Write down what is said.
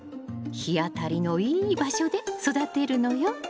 日当たりのいい場所で育てるのよ。